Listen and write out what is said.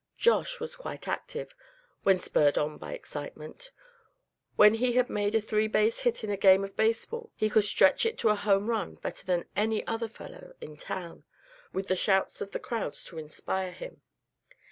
Josh was quite active, when spurred on by excitement. When he had made a three base hit in a game of baseball, he could stretch it to a home run better than any other fellow in town, with the shouts of the crowds to inspire him.